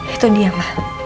itu dia mah